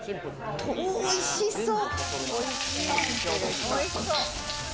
おいしそう！